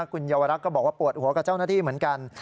คุณเยาวรักษ์ก็บอกว่าปวดหัวกับเจ้าหน้าที่เหมือนกัน